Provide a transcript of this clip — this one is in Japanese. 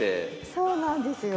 そうなんですよ。